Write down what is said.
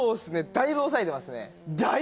だいぶ抑えてます